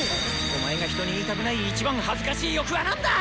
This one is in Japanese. お前が人に言いたくない一番恥ずかしい欲は何だ